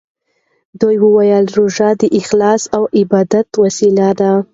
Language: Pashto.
ده وویل چې روژه د اخلاص او عبادت وسیله ده.